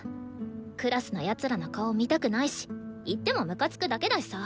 クラスの奴らの顔見たくないし行ってもムカつくだけだしさ。